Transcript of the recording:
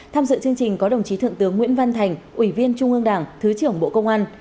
tham dự chương trình có đồng chí thượng tướng nguyễn văn thành ủy viên trung ương đảng thứ trưởng bộ công an